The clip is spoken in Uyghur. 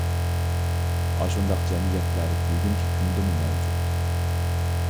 ئاشۇنداق جەمئىيەتلەر بۈگۈنكى كۈندىمۇ مەۋجۇت.